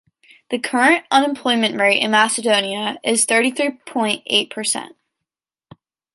The current unemployment rate in Macedonia is thirty-three point eight percent.